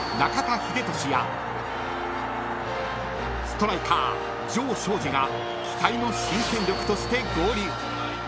［ストライカー城彰二が期待の新戦力として合流］